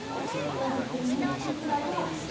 割りふりに手違いがあって。